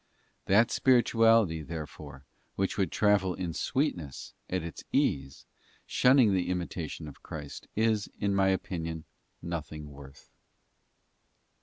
That spirituality, therefore, which would travel in sweetness at its ease, shun ning the imitation of Christ, is, in my opinion, nothing worth.